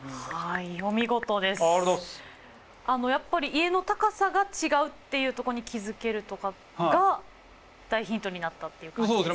あのやっぱり家の高さが違うっていうとこに気付けるとかが大ヒントになったっていう感じですよね。